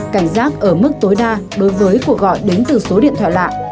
cảnh giác ở mức tối đa đối với cuộc gọi đến từ số điện thoại lạ